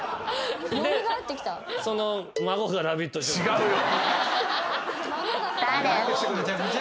違うよ。